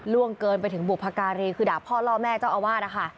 ล่วงเกินไปถึงบุพการีคือด่าพ่อล่อแม่เจ้าอาวาสนะคะ